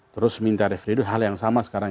terus minta refidus hal yang sama sekarang